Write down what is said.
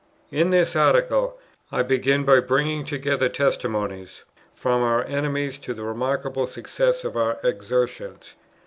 In this Article, I begin by bringing together testimonies from our enemies to the remarkable success of our exertions.